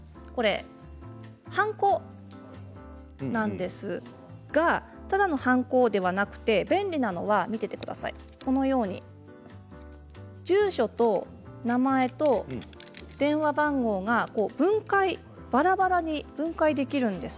はんこですがただのはんこではなく便利なのはこのように住所と名前と電話番号がばらばらに分解できるんです。